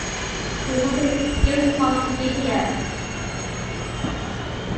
He wasn't even supposed to be here.